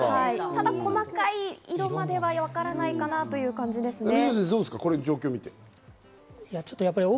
ただ細かい色まではわからないかなという感じですね。